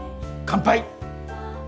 乾杯！